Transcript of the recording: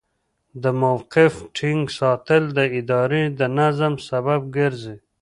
د موقف ټینګ ساتل د ادارې د نظم سبب ګرځي.